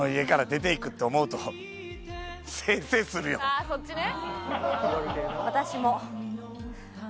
ああそっちね。